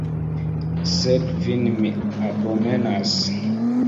Sed vin mi abomenas.